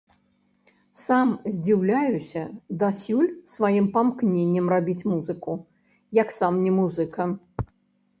Сам здзіўляюся дасюль сваім памкненням рабіць музыку, як сам не музыка.